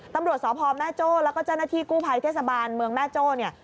ตำรวจสพแม่โจ้แล้วก็เจ้าหน้าที่กู้ภัยเทศบาลเมืองแม่โจ้เนี่ย